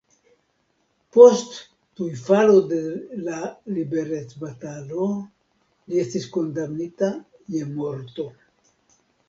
Post tuj falo de la liberecbatalo li estis kondamnita je morto.